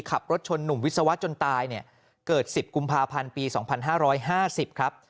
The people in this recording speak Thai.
ขับรถชนหนุ่มวิศวะจนตายเนี่ยเกิด๑๐กุมภาพันธ์ปี๒๕๕๐ครับ